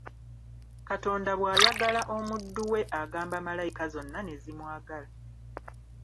Katonda bw'ayagala omuddu we agamba malayika zonna ne zimwagala.